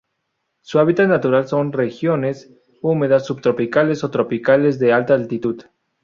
Su hábitat natural son: regiones húmedas subtropicales o tropicales de alta altitud.